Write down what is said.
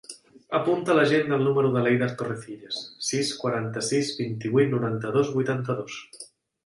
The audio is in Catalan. Apunta a l'agenda el número de l'Eider Torrecillas: sis, quaranta-sis, vint-i-vuit, noranta-dos, vuitanta-dos.